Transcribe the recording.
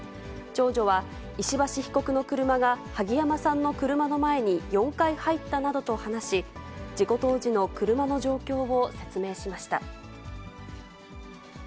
長女は、石橋被告の車が萩山さんの車の前に４回入ったなどと話し、事故当時の車の状況を説明しました。